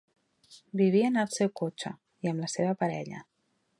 Vivia en el seu cotxe i amb la seva parella.